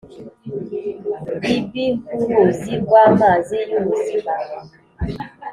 Ibh uruzi rw amazi y ubuzima